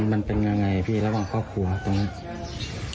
มันเป็นยังไงพี่ระหว่างครอบครัวตรงนี้